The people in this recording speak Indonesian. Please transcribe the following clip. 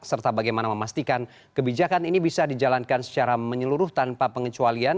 serta bagaimana memastikan kebijakan ini bisa dijalankan secara menyeluruh tanpa pengecualian